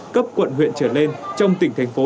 cấp quận huyện trở lên trong tỉnh thành phố